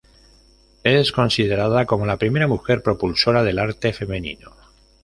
Es considerada como la primera mujer propulsora del arte femenino.